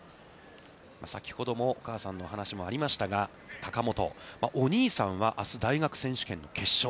先ほど、お母さんのお話もありましたが、高本、お兄さんはあす大学選手権の決勝。